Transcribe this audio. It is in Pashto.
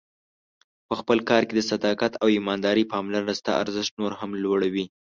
په خپل کار کې د صداقت او ایماندارۍ پاملرنه ستا ارزښت نور هم لوړوي.